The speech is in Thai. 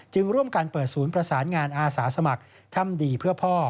ร่วมกันเปิดศูนย์ประสานงานอาสาสมัครถ้ำดีเพื่อพ่อ